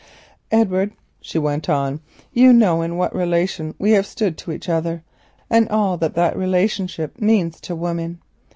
"Edward," she went on, speaking very slowly, "you know in what relation we have stood to each other, and what that relationship means to woman.